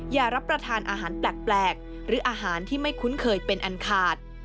อย่ารับประทานอาหารแปลกหรืออาหารที่ไม่คุ้นเคยเป็นอันขาด